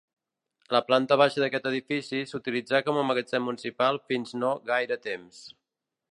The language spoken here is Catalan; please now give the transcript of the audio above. La planta baixa d'aquest edifici s'utilitzà com a magatzem municipal fins no gaire temps.